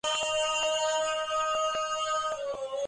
আমিই দুষ্টুমি করে খাই নি, আমাকে বকো না।